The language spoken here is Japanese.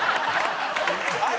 あれ？